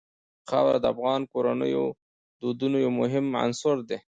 خاوره د افغان کورنیو د دودونو یو مهم عنصر دی.